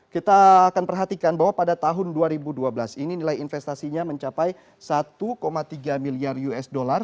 kita akan perhatikan bahwa pada tahun dua ribu dua belas ini nilai investasinya mencapai satu tiga miliar usd